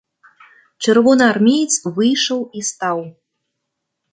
Чырвонаармеец выйшаў і стаў.